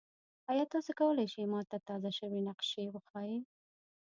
ایا تاسو کولی شئ ما ته تازه شوي نقشې وښایئ؟